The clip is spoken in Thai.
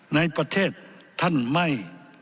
ในประเทศท่านไม่